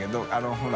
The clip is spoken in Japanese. △ほら。